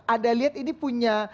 ada lihat ini punya